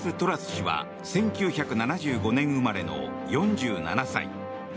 氏は１９７５年生まれの４７歳。